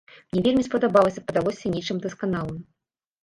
Мне вельмі спадабалася, падалося нечым дасканалым.